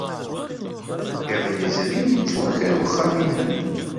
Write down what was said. Iḍ yezrin, yettwaker wexxam-nnem.